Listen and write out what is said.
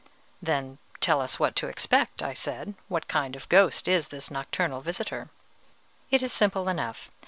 "Then tell us what to expect," I said; "what kind of a ghost is this nocturnal visitor?" "It is simple enough.